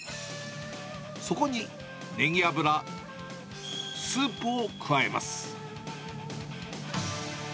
そこに、ねぎ油、スープを加えます。